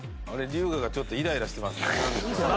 龍我がちょっとイライラしてますね。